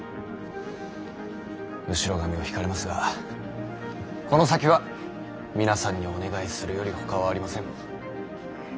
後ろ髪を引かれますがこの先は皆さんにお願いするよりほかはありませぬ。